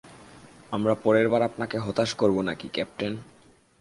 আমরা পরেরবার আপনাকে হতাশ করবো নাকি, ক্যাপ্টেন।